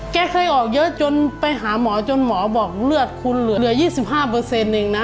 เคยออกเยอะจนไปหาหมอจนหมอบอกเลือดคุณเหลือ๒๕เองนะ